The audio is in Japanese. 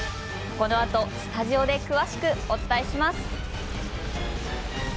このあとスタジオで詳しくお伝えします。